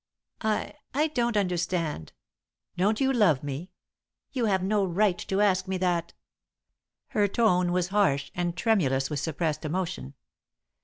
"I I don't understand." "Don't you love me?" "You have no right to ask me that." Her tone was harsh and tremulous with suppressed emotion.